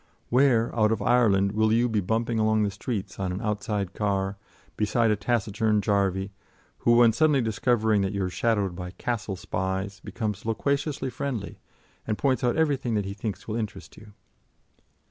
Where, out of Ireland, will you be bumping along the streets on an outside car, beside a taciturn Jarvey, who, on suddenly discovering that you are shadowed by "Castle" spies, becomes loquaciously friendly, and points out everything that he thinks will interest you?